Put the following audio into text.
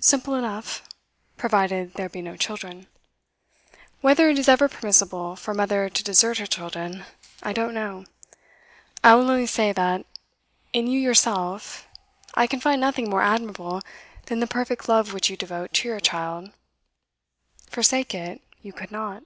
Simple enough provided there be no children. Whether it is ever permissible for a mother to desert her children, I don't know. I will only say that, in you yourself, I can find nothing more admirable than the perfect love which you devote to your child. Forsake it, you could not.